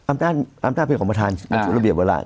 อำนาจเป็นของประธานบรรจุระเบียบเวลา